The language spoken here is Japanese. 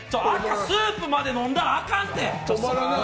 スープまで飲んだらあかんって！